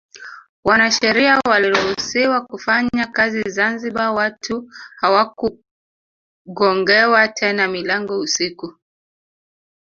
Wanasheria waliruhusiwa kufanya kazi Zanzibar watu hawakugongewa tena milango usiku